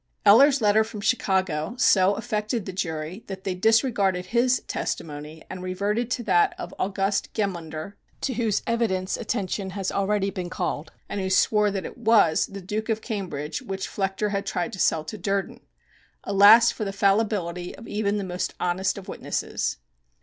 Eller's letter from Chicago so affected the jury that they disregarded his testimony and reverted to that of August Gemunder, to whose evidence attention has already been called, and who swore that it was "The Duke of Cambridge" which Flechter had tried to sell to Durden. Alas for the fallibility of even the most honest of witnesses!